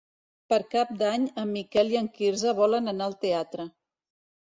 Per Cap d'Any en Miquel i en Quirze volen anar al teatre.